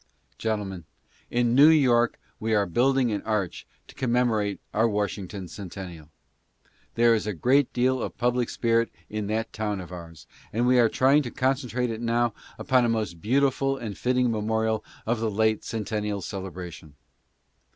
Gentlemen, in New York we are building an arch to commemo rate our Washington Centennial. There is a great deal of public spirit in that town of ours, and we are trying to concentrate it now upon a most beautiful and fitting memorial of the late Centen nial celebration.